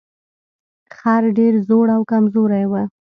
خر ډیر زوړ او کمزوری و.